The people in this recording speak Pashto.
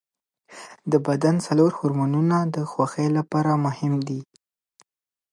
د بدن څلور هورمونونه د خوښۍ لپاره مهم دي.